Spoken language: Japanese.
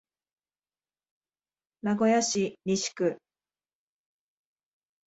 名古屋市西区